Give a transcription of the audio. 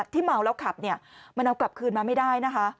เมาแล้วขับเนี่ยมันเอากลับคืนมาไม่ได้นะคะ